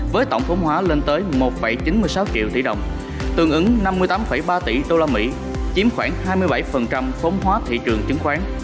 với tổng vốn hóa lên tới một chín mươi sáu triệu tỷ đồng tương ứng năm mươi tám ba tỷ đô la mỹ chiếm khoảng hai mươi bảy vốn hóa thị trường chứng khoán